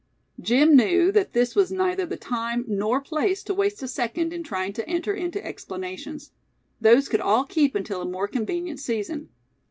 Jim knew that this was neither the time nor place to waste a second in trying to enter into explanations. Those could all keep until a more convenient season.